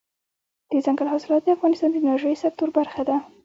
دځنګل حاصلات د افغانستان د انرژۍ سکتور برخه ده.